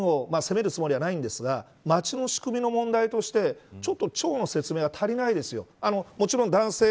職員個人を責めるつもりはないんですが町の仕組みの問題としてちょっと町の説明が足りないですよ。